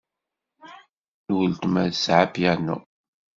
Weltma tesɛa apyanu.